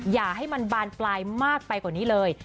อย่าให้มันบานปลายมากไปกว่านี้เลย